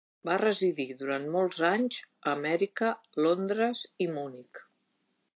Va residir durant molts anys a Amèrica, Londres i Munic.